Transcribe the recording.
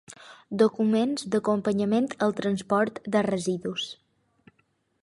Documents d'acompanyament el transport de residus.